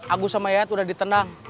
agus sama yayat udah ditenang